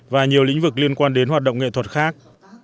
và nhiều lĩnh vực liên quan đến hoạt động nghệ thuật khác